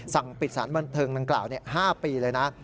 สั่งปิดสารบันเทิงดังกล่าว๕ปีเลยนะ